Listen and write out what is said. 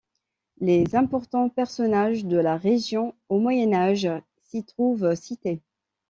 Les importants personnages de la région au Moyen Âge s'y trouvent cités.